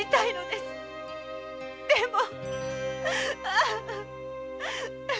でも。